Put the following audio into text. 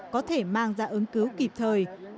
có thể mang ra ứng cứu kịp thời